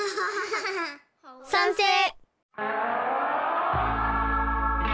さんせい！